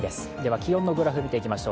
気温のグラフ見ていきましょう。